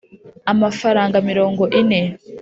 'amafaranga mirongo ine,